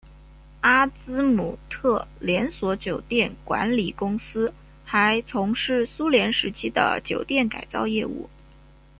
阿兹姆特连锁酒店管理公司还从事苏联时期的酒店改造业务。